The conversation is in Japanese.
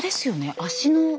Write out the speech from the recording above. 足の。